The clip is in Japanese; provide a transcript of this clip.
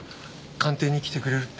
鑑定に来てくれるって？